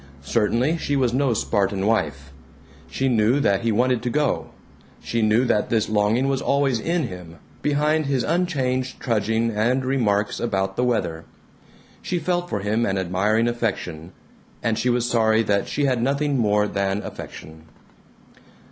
Certainly she was no Spartan wife. She knew that he wanted to go; she knew that this longing was always in him, behind his unchanged trudging and remarks about the weather. She felt for him an admiring affection and she was sorry that she had nothing more than affection.